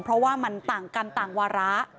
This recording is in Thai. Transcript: เพราะว่ามันต่างกันต่างวาระ